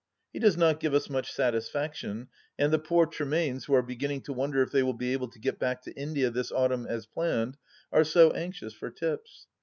He does not give us much satisfaction, and the poor Tremaines, who are beginning to wonder if they will be able to get back to India this autumn as planned, are so anxious for tips.